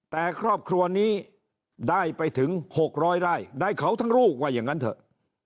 แต่ครอบครัวนี้ได้ไปถึง๖๐๐ไร่ได้เขาทั้งลูกว่าอย่างนั้นเถอะ